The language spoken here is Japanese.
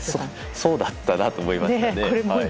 そうだったなと思いましたね。